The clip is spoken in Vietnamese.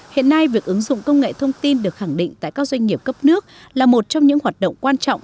hiện nay việc ứng dụng công nghệ thông tin được khẳng định tại các doanh nghiệp cấp nước là một trong những hoạt động quan trọng